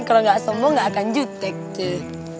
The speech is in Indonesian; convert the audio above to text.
kalau gak sombong gak akan jutek tuh